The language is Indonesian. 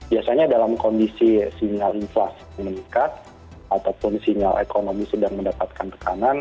biasanya dalam kondisi sinyal inflasi meningkat ataupun sinyal ekonomi sedang mendapatkan tekanan